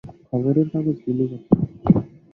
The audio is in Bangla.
খবরের কাগজ বিলি করতাম।